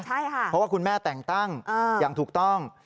เพราะว่าคุณแม่แต่งตั้งอย่างถูกต้อง